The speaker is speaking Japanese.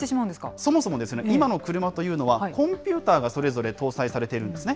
そもそも今の車というのは、コンピューターがそれぞれ搭載されているんですね。